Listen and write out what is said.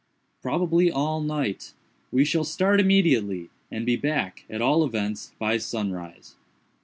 "Probably all night. We shall start immediately, and be back, at all events, by sunrise."